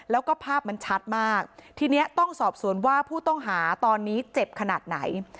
แล้วก็ภาพมันชัดมากทีนี้ต้องสอบสวนว่าผู้ต้องหาตอนนี้เจ็บขนาดไหน